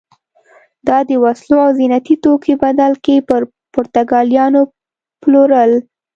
دا د وسلو او زینتي توکو په بدل کې پر پرتګالیانو پلورل.